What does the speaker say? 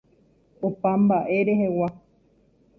Opa mba'e rehegua.